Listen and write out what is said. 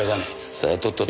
さあとっとと。